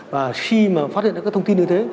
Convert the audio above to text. và khi mà phát hiện được các thông tin như thế